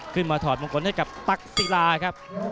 ถอดมงคลให้กับตั๊กศิลาครับ